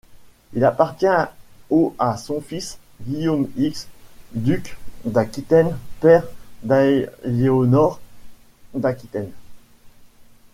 Il appartient au à son fils, Guillaume X, duc d'Aquitaine, père d'Aliénor d'Aquitaine.